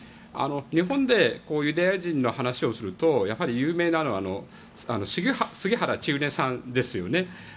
日本でユダヤ人の話をするとやはり有名なのは杉原千畝さんですよね。